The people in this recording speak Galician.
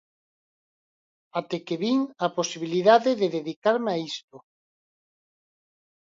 Até que vin a posibilidade de dedicarme a isto.